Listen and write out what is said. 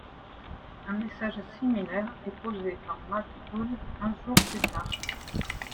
Un message similaire est posé par Matt Good un jour plus tard.